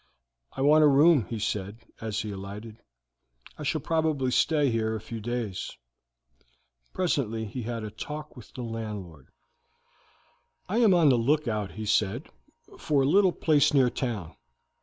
"I want a room," he said, as he alighted. "I shall probably stay here a few days." Presently he had a talk with the landlord. "I am on the lookout," he said, "for a little place near town.